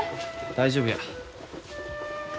大丈夫や。